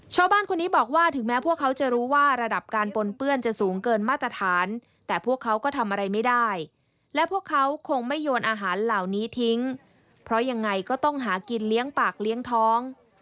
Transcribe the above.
ชาวบ้านคนนี้บอกว่าถึงแม้พวกเขาจะรู้ว่าระดับการปนเปื้อนจะสูงเกินมาตรฐานแต่พวกเขาก็ทำอะไรไม่ได้และพวกเขาคงไม่โยนอาหารเหล่านี้ทิ้งเพราะยังไงก็ต้องหากินเลี้ยงปากเลี้ยงท้อง